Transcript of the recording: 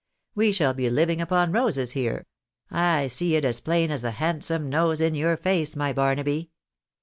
We shall be living upon roses here — I see it as plain as the handsome nose in your face, my Barnaby.